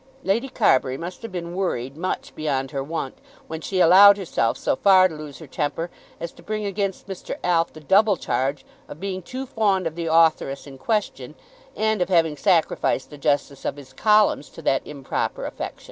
Lady Carbury must have been worried much beyond her wont, when she allowed herself so far to lose her temper as to bring against Mr. Alf the double charge of being too fond of the authoress in question, and of having sacrificed the justice of his columns to that improper affection.